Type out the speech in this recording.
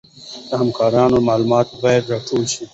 د همکارانو معلومات باید راټول شي.